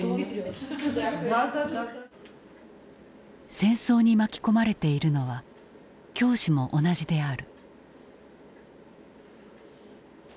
戦争に巻き込まれているのは教師も同じである。